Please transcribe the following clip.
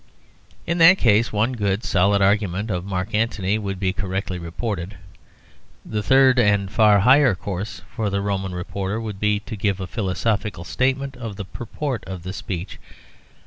'" In that case one good, solid argument of Mark Antony would be correctly reported. The third and far higher course for the Roman reporter would be to give a philosophical statement of the purport of the speech.